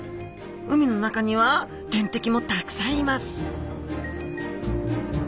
海の中には天敵もたくさんいます